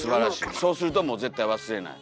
そうするともう絶対忘れない。